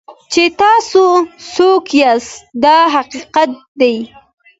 چې تاسو څوک یاست دا حقیقت دی.